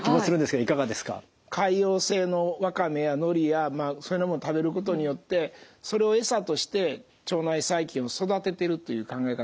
海洋性のわかめやのりやそういうものを食べることによってそれをエサとして腸内細菌を育ててるという考え方ができると思います。